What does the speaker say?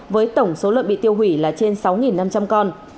với tổng số lợn bị tiêu hủy là trên sáu năm trăm linh con